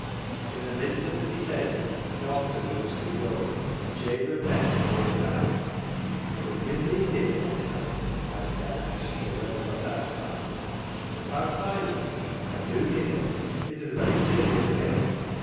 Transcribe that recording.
In the midst of the debate the doctor rose to go, and Jabe and Ben followed him out. " Dun yo' meean it, doctor ?" asked Ben anxiously when they got outside. " About Silas ? I do mean it. It is a very serious case.